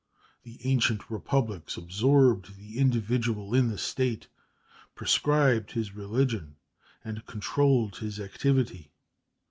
The ancient republics absorbed the individual in the state prescribed his religion and controlled his activity.